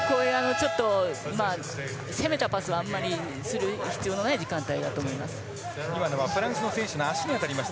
攻めたパスはあんまりする必要のない時間帯だと思います。